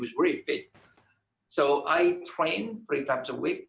jadi saya melakukan pengamalan tiga kali seminggu